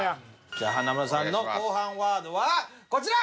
華丸さんの後半ワードはこちら！